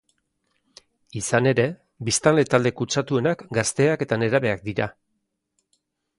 Izan ere, biztanle talde kutsatuenak gazteak eta nerabeak dira.